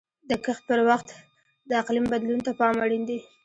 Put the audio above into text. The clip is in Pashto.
د کښت پر وخت د اقلیم بدلون ته پام اړین دی.